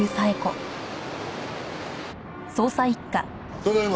ただいま。